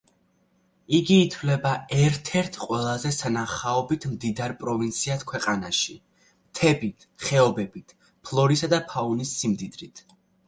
იგი ითვლება ერთ-ერთ ყველაზე სანახაობით მდიდარ პროვინციად ქვეყანაში: მთებით, ხეობებით, ფლორისა და ფაუნის სიმდიდრით.